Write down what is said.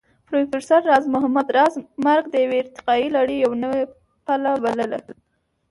پروفېسر راز محمد راز مرګ د يوې ارتقائي لړۍ يوه نوې پله بلله